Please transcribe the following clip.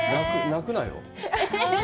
泣くなよ。